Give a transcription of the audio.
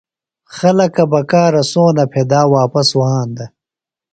خلَکہ بکارہ سونہ پھیۡدا واپس وھاندہ۔